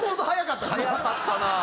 早かったな。